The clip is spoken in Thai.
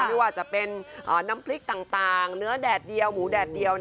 ไม่ว่าจะเป็นน้ำพริกต่างเนื้อแดดเดียวหมูแดดเดียว